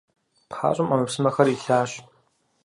ПхъащӀэм Ӏэмэпсымэхэр илъащ.